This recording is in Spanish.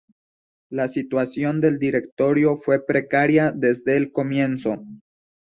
La situación del Directorio fue precaria desde el comienzo.